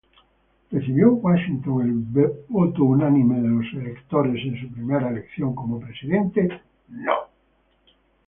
¿Recibió Washington el voto unánime de los electores en su primera elección como Presidente?